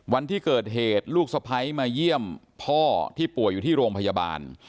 วันที่เกิดเหตุลูกสะพ้ายมาเยี่ยมพ่อที่ป่วยอยู่ที่โรงพยาบาล